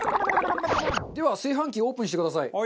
では炊飯器をオープンしてください。